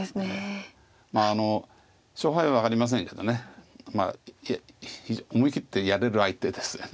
まあ勝敗は分かりませんけど思い切ってやれる相手ですよね。